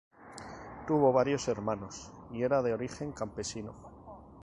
Tuvo varios hermanos y era de origen campesino.